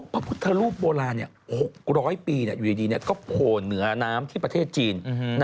พระพุทธรูปโบราณ๖๐๐ปีอยู่ดีก็โผล่เหนือน้ำที่ประเทศจีน